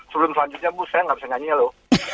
sebelum selanjutnya bu saya nggak bisa nyanyi lho